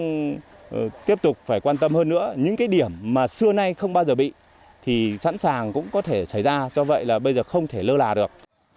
chúng tôi tiếp tục phải quan tâm hơn nữa những cái điểm mà xưa nay không bao giờ bị thì sẵn sàng cũng có thể xảy ra cho vậy là bây giờ không thể lơ là được